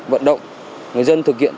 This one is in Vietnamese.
vận động người dân thực hiện